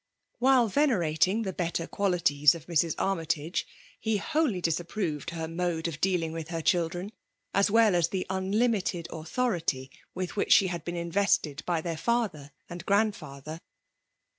While venerating the better qualities of Ifrs. Armytage, he wholly disapproved her mode of dealing with her children, as well as the un limited authority with which she had bem inveflted by their father and grandfather.